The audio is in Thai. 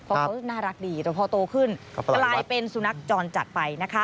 เจ้าน่ารักดีแต่พอโตขึ้นก็กลายเป็นสุนัขจรจัดไป